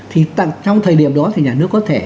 thì trong thời điểm đó thì nhà nước có thể